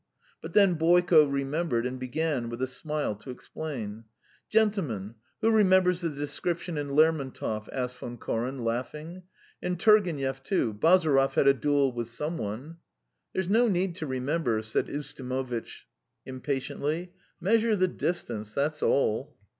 But then Boyko remembered and began, with a smile, to explain. "Gentlemen, who remembers the description in Lermontov?" asked Von Koren, laughing. "In Turgenev, too, Bazarov had a duel with some one. ..." "There's no need to remember," said Ustimovitch impatiently. "Measure the distance, that's all."